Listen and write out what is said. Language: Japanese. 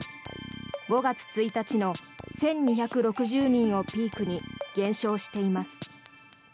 ５月１日の１２６０人をピークに減少しています。